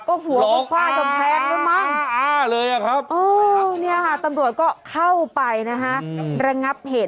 ก็หัวก็ฟาดต่อแพงเลยมั้งโอ้นี่ฮะตำรวจก็เข้าไปนะฮะระงับเหตุ